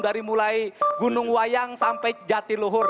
dari mulai gunung wayang sampai jatiluhur